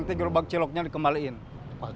cilok cilok cilok lima bebas ambil sendiri